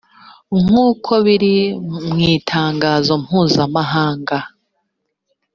nk’uko biri mu itangazo mpuzamahanga